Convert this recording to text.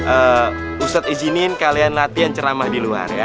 ehm ustadz iziniin kalian latihan ceramah di luar ya